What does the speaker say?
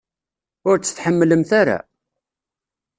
Ur tt-tḥemmlemt ara?